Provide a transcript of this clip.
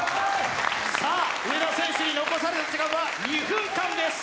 上田選手に残された時間は２分間です。